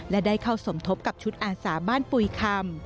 และได้เข้าสมทบกับชุดอาสาบ้านปุ๋ยคำ